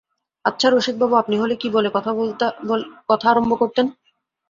আচ্ছা রসিকবাবু, আপনি হলে কী বলে কথা আরম্ভ করতেন?